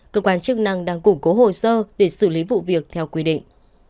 cơ quan chức năng đang củng cố hồ sơ để xử lý vụ việc theo quy định